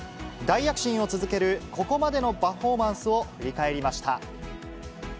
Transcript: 大躍進を続けるここまでのパフォーマンスを振り返りました。